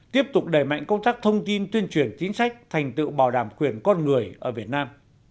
tiếp tục đẩy mạnh công tác thông tin tuyên truyền chính sách thành tựu bảo đảm quyền con người ở việt nam